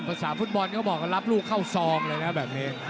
ภาษาฟุตบอลเขาบอกว่ารับลูกเข้าซองเลยนะแบบนี้